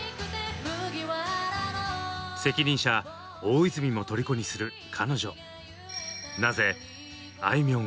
責任者・大泉もとりこにする彼女。